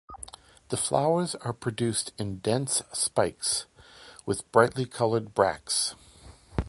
The flowers are produced in dense spikes, with brightly coloured bracts.